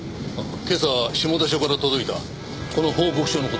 今朝下田署から届いたこの報告書の事だ。